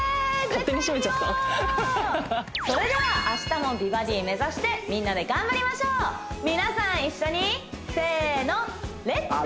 勝手に締めちゃったそれでは明日も美バディ目指してみんなで頑張りましょう皆さん一緒にせーの「レッツ！